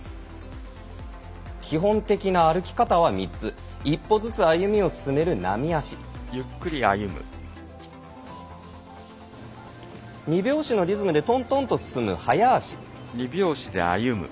基本的な歩き方は３つ一歩ずつ歩みを進める常歩２拍子のリズムでとんとんと進む速歩。